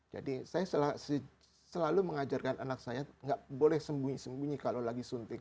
jadi saya selalu mengajarkan anak saya tidak boleh sembunyi sembunyi kalau lagi suntik